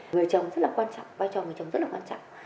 người chồng rất là quan trọng vai chồng người chồng rất là quan trọng